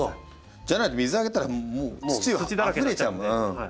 じゃないと水あげたらもう土があふれちゃう！